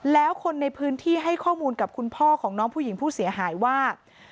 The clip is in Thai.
แล้วคนในพื้นที่ให้ข้อมูลกับคุณพ่อของน้องผู้หญิงผู้เสียหายว่า